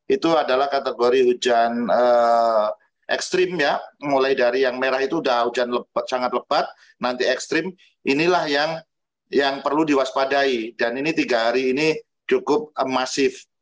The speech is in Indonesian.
itu adalah kategori hujan ekstrim ya mulai dari yang merah itu sudah hujan sangat lebat nanti ekstrim inilah yang perlu diwaspadai dan ini tiga hari ini cukup masif